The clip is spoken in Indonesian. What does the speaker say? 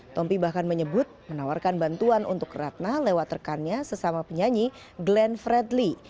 tompi bahkan menyebut menawarkan bantuan untuk ratna lewat rekannya sesama penyanyi glenn fredly